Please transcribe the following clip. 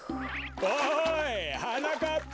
おいはなかっぱ！